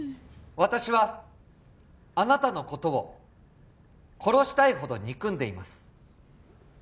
私はあなたのことを殺したいほど憎んでいます